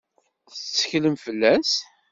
Tetteklem fell-as?